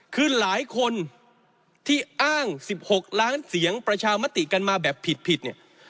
คือหลายคนที่อ้าง๑๖ล้านเสียงประชามติกันมาแบบผิดเนี่ย